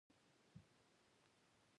د تاریخ له دې حساسې مقطعې څخه ګټه پورته کړي.